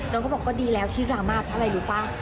เขาบอกก็ดีแล้วที่ดราม่าเพราะอะไรรู้ป่ะ